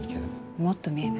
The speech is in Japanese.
もっと見えない。